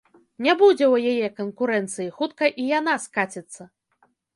Не будзе ў яе канкурэнцыі, хутка і яна скаціцца.